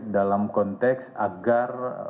dalam konteks agar